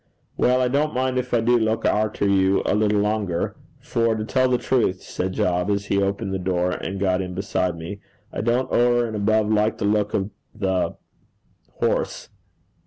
'Well, I don't mind if I do look arter you a little longer; for to tell the truth,' said Job, as he opened the door, and got in beside me, 'I don't over and above like the look of the horse.'